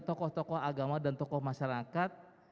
tokoh tokoh agama dan tokoh masyarakat